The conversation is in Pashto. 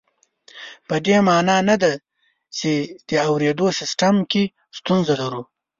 په دې مانا نه ده چې د اورېدو سیستم کې ستونزه لرو